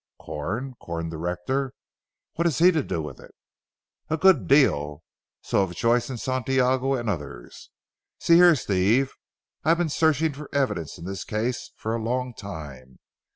"Corn Corn the rector? What has he to do with it?" "A good deal. So have Joyce and Santiago and others. See here Steve, I have been searching for evidence in this case for a long time.